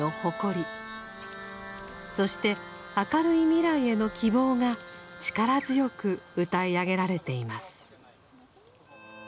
そして明るい未来への希望が力強く歌い上げられています。